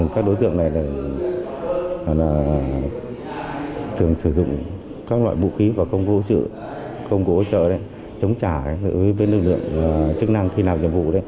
công cụ ủi trợ chống trả với lực lượng chức năng khi nào nhiệm vụ